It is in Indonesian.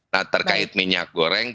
nah terkait minyak goreng